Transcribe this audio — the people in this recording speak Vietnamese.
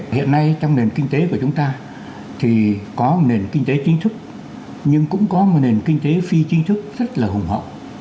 hiện nay trong nền kinh tế của chúng ta thì có nền kinh tế chính thức nhưng cũng có một nền kinh tế phi chính thức rất là hùng hậu